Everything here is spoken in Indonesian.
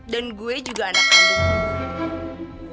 dan gue juga anak anak